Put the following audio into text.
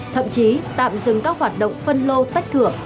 thậm chí tạm dừng các hoạt động phân lô tách thửa